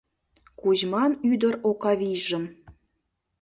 Кузьман ӱдыр Окавийжым